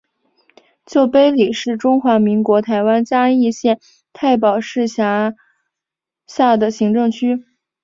旧埤里是中华民国台湾嘉义县太保市辖下的行政区。